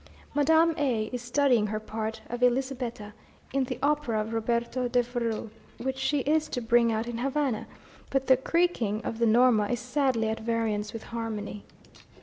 Madame A is studying her part of Elizabetta in the opera of Roberto Devereux, which she is to bring out in Havana, but the creaking of the Norma is sadly at variance with harmony.